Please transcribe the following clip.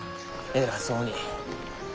偉そうに。